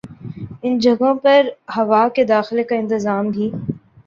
ان جگہوں پر ہوا کے داخلے کا انتظام بھی